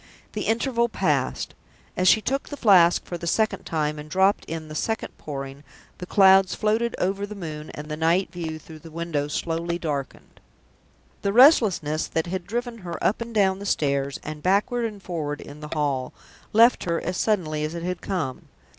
The interval passed. As she took the Flask for the second time, and dropped in the second Pouring, the clouds floated over the moon, and the night view through the window slowly darkened. The restlessness that had driven her up and down the stairs, and backward and forward in the hall, left her as suddenly as it had come.